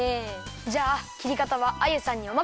じゃあきりかたはアユさんにおまかせします！